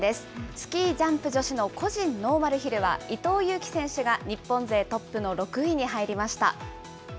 スキージャンプ女子の個人ノーマルヒルは伊藤有希選手が日本勢トップの６位に入りました。